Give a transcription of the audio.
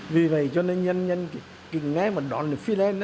vì vậy cho nên nhân dân kính nghe mà đón được fidel